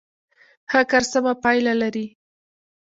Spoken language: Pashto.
ښه کار سمه پایله لري.